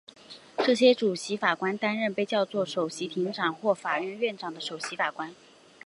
这些主席法官担任被叫作首席庭长或法院院长的首席法官。